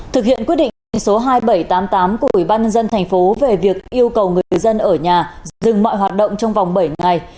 thực hiện quyết định số hai nghìn bảy trăm tám mươi tám của ubnd tp về việc yêu cầu người dân ở nhà dừng mọi hoạt động trong vòng bảy ngày